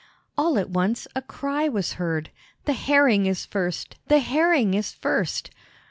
All at once a cry was heard, "The Herring is first, the Herring is first!"